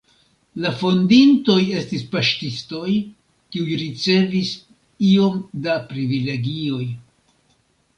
La fondintoj estis paŝtistoj, kiuj ricevis iom da privilegioj.